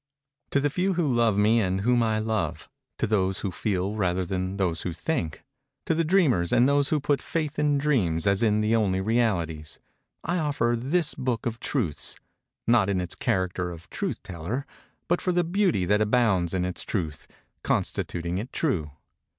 To the few who love me and whom I love—to those who feel rather than to those who think—to the dreamers and those who put faith in dreams as in the only realities—I offer this Book of Truths, not in its character of Truth Teller, but for the Beauty that abounds in its Truth; constituting it true.